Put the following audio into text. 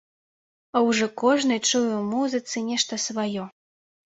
А ўжо кожны чуе ў музыцы нешта сваё.